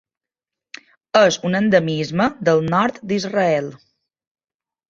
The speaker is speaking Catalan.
És un endemisme del nord d'Israel.